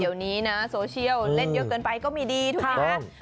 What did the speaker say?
เดี๋ยวนี้นะโซเชียลเล่นเยอะเกินไปก็มีดีถูกไหมคะ